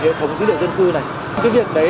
hệ thống dữ liệu dân cư này